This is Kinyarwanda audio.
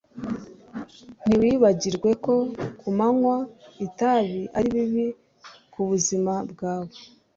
Ntiwibagirwe ko kunywa itabi ari bibi kubuzima bwawe